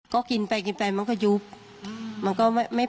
ก็กินไปมันก็ยุบมันก็ไม่ปวดครับนะครับ